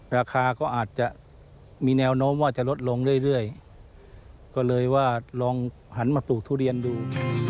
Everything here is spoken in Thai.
ราคาก็อาจจะมีแนวโน้มว่าจะลดลงเรื่อยก็เลยว่าลองหันมาปลูกทุเรียนดู